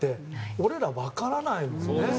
俺ら、分からないもんね。